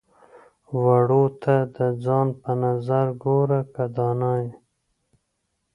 واړو ته د ځان په نظر ګوره که دانا يې.